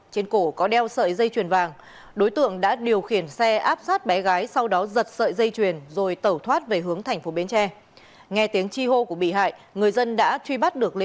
trên cổ có đeo sợi dây chuyền vàng đối tượng đã điều khiển xe áp sát bé gái sau đó giật sợi dây chuyền rồi tẩu thoát về hướng thành phố bến tre